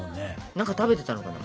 何か食べてたのかな？